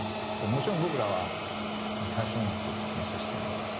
もちろん僕らは大衆音楽に接してるわけです。